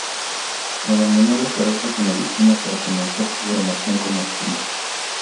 Abandonó la carrera de medicina para comenzar su formación como actriz.